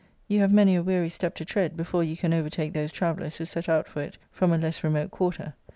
You have many a weary step to tread, before you can overtake those travellers who set out for it from a less remote quarter.